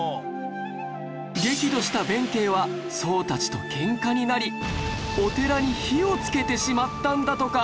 激怒した弁慶は僧たちとケンカになりお寺に火をつけてしまったんだとか